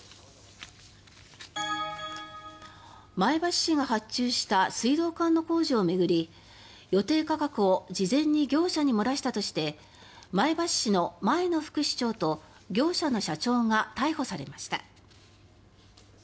前橋市が発注した水道管の工事を巡り予定価格を事前に業者に漏らしたとして前橋市の前の副市長と業者の社長が逮捕されました。